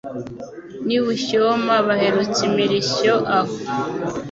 N'i Bushyoma baherutse imirishyo aho.